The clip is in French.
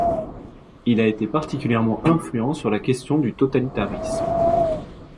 Il a été particulièrement influent sur la question du totalitarisme.